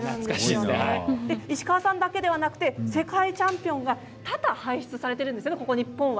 石川さんだけでなく世界チャンピオンが多々と輩出されているんですよね日本は。